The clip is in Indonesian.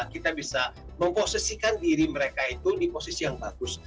kita bisa memposisikan diri mereka itu di posisi yang bagus